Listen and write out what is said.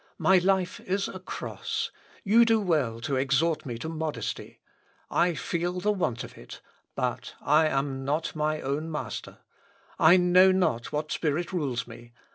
My life is a cross. You do well to exhort me to modesty. I feel the want of it; but I am not my own master: I know not what spirit rules me.